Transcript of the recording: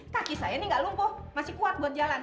kaki saya ini gak lumpuh masih kuat buat jalan